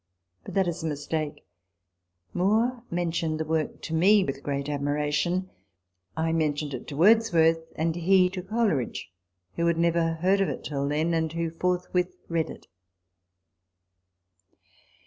But that is a mistake. Moore men tioned the work to me with great admiration ; I mentioned it to Wordsworth ;* and he to Cole ridge, who had never heard of it till then, and who forthwith read it.